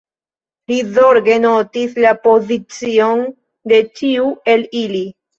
Li zorge notis la pozicion de ĉiu el ili.